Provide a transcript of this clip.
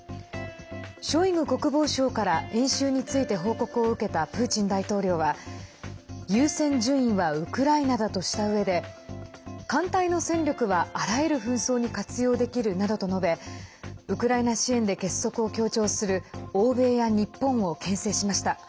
ショイグ国防相から演習について報告を受けたプーチン大統領は優先順位はウクライナだとしたうえで艦隊の戦力は、あらゆる紛争に活用できるなどと述べウクライナ支援で結束を強調する欧米や日本をけん制しました。